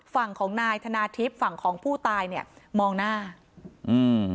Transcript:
ฝั่งของนายธนาทิพย์ฝั่งของผู้ตายเนี้ยมองหน้าอืม